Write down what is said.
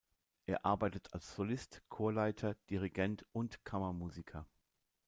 Er arbeitet als Solist, Chorleiter, Dirigent und Kammermusiker.